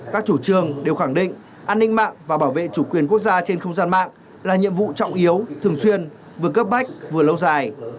các chủ trương đều khẳng định an ninh mạng và bảo vệ chủ quyền quốc gia trên không gian mạng là nhiệm vụ trọng yếu thường xuyên vừa cấp bách vừa lâu dài